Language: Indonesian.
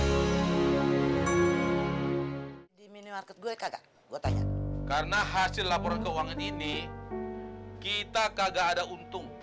hai di minimarket gue kagak buat tanya karena hasil laporan keuangan ini kita kagak ada untung